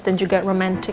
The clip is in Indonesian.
dan juga romantic